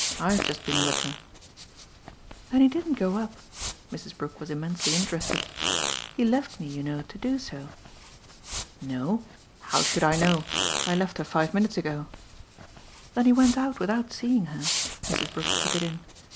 I've just been with her." "Then he didn't go up?" Mrs. Brook was immensely interested. "He left me, you know, to do so." "Know how should I know? I left her five minutes ago." "Then he went out without seeing her." Mrs. Brook took it in.